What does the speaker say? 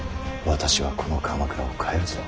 私はこの鎌倉を変えるぞ。